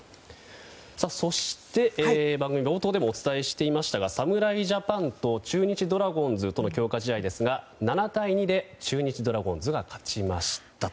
そして、番組冒頭でもお伝えしていましたが侍ジャパンと中日ドラゴンズとの強化試合ですが７対２で中日ドラゴンズが勝ちましたと。